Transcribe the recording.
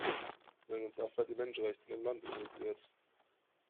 Wir haben uns auch für die Menschenrechte in dem Land interessiert.